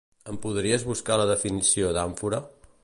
Em podries buscar la definició d'àmfora?